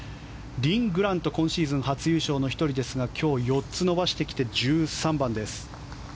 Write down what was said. リン・グラント今シーズン初優勝の１人ですが今日４つ伸ばしてきて１３番です。